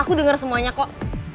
aku denger semuanya kok